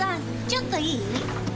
ちょっといい？